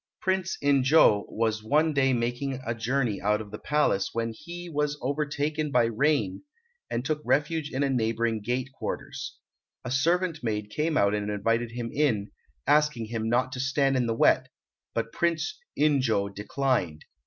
Prince In jo was one day making a journey out of the Palace when he was overtaken by rain, and took refuge in a neighbouring gate quarters. A servant maid came out and invited him in, asking him not to stand in the wet, but Prince In jo declined.